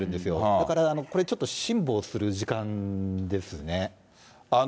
だからこれ、ちょっと辛抱する時間ですね。